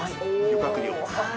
漁獲量。